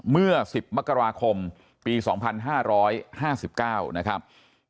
เมื่อ๑๐มกราคมปี๒๕๕๙นะครับ